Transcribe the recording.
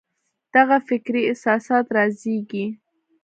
دغه فکري اساسات رازېږي.